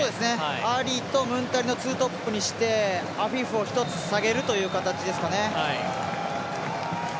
アリとムンタリのツートップにしてアフィフを１つ下げるという形ですかね。